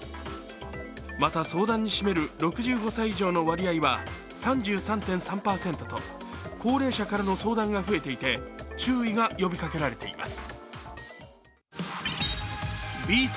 また、相談に占める６５歳以上の割合は３３．３％と高齢者からの相談が増えていて、注意が呼びかけられています。